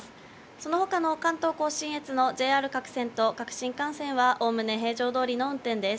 そのほかの関東甲信越のＪＲ各線と各新幹線はおおむね平常どおりの運転です。